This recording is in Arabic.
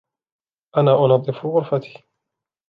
أنا أنظف غرفتي.